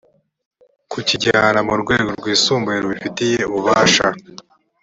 kukijyana mu rwego rwisumbuye rubifitiye ububasha